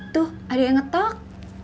tuh ada yang ngetok